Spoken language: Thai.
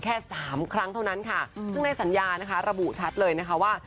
แค่สามครั้งเท่านั้นค่ะซึ่งในสัญญานะคะระบุชัดเลยนะคะว่า